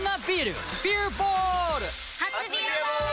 初「ビアボール」！